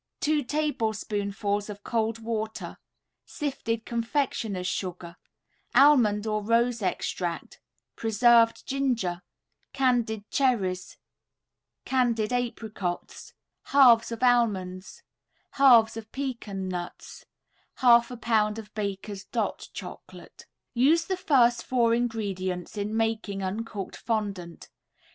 ] White of 1 egg, 2 tablespoonfuls of cold water, Sifted confectioner's sugar, Almond or rose extract, Preserved ginger, Candied cherries, Candied apricots, Halves of almond, Halves of pecan nuts, 1/2 a pound of Baker's "Dot" Chocolate. Use the first four ingredients in making uncooked fondant.